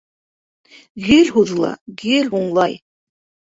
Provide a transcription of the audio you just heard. Гел һуҙыла, гел һуңлай.